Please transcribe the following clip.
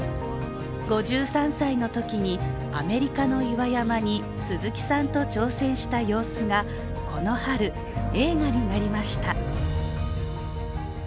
５３歳のときにアメリカの岩山に鈴木さんと挑戦した様子がこの春、映画になりました。